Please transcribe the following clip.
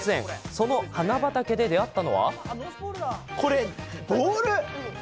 その花畑で出会ったのは。